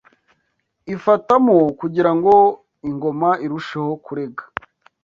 ifatamo kugirango ingoma irusheho kurega